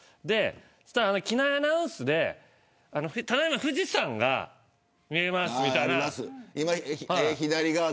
そうしたら機内アナウンスでただいま富士山が見えますみたいな。